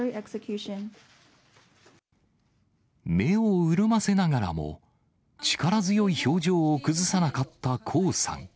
目を潤ませながらも、力強い表情を崩さなかった江さん。